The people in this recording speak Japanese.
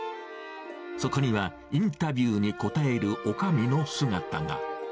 そこには、インタビューに答えるおかみの姿が。